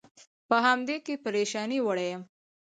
په همدې کې پرېشانۍ وړی یم.